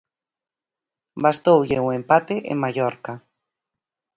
Bastoulle o empate en Mallorca.